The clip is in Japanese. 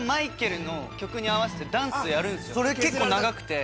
結構長くて。